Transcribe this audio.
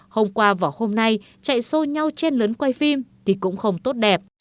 hôm qua và hôm nay chạy xô nhau chen lấn quay phim thì cũng không tốt đẹp